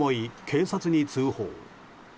警察に通報。